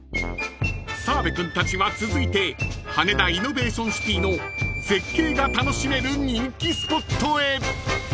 ［澤部君たちは続いて羽田イノベーションシティの絶景が楽しめる人気スポットへ］